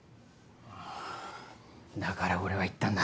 はぁだから俺は言ったんだ。